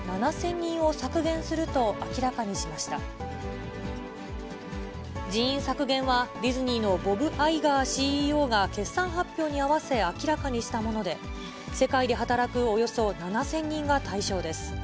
人員削減は、ディズニーのボブ・アイガーＣＥＯが決算発表に合わせ、明らかにしたもので、世界で働くおよそ７０００人が対象です。